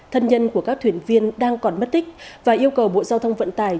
thân nhân của các thuyền viên đang còn mất tích và yêu cầu bộ giao thông vận tải